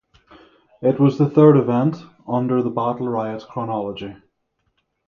It was the third event under the Battle Riot chronology.